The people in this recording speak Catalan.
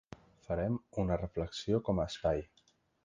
Farem una reflexió com a espai.